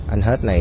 anh hết này